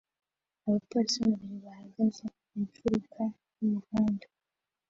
Abapolisi babiri bahagaze ku mfuruka y'umuhanda